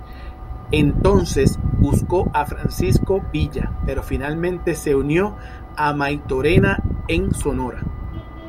Entonces buscó a Francisco Villa, pero finalmente se unió a Maytorena en Sonora.